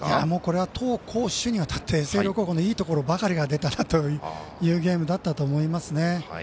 もうこれは投、走、守にわたって星稜高校のいいところばかりが出たなというゲームだったと思います。